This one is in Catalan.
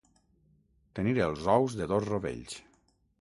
Tenir els ous de dos rovells.